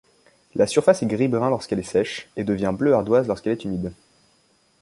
La surface est gris-brun lorsqu'elle est sèche et devient bleu ardoise lorsqu'elle est humide.